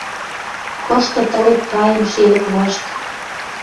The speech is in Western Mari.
Кышты тылет кайын шелӹк вашт.